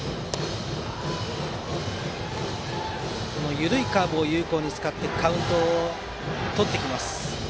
緩いカーブを有効に使ってカウントをとってきます森山。